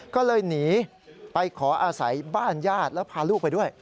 ก็เลยหนีไปขออาศัยบ้านญาติแล้วพาลูกไปด้วย